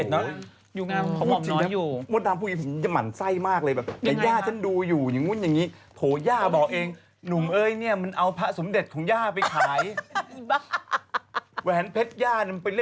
แหวนเพชรย่านมันไปเล่นไพ่มันเคยเอาแหวนเพชร